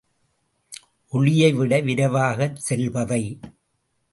ஒளியை விட விரைவாகச் செல்பவை.